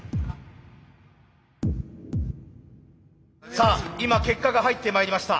さあ今結果が入ってまいりました。